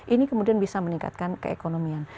ini kemudian bisa meningkatkan keekonomian